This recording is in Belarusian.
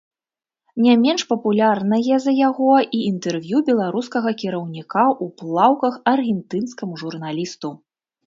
Не менш папулярнае за яго і інтэрв'ю беларускага кіраўніка ў плаўках аргентынскаму журналісту.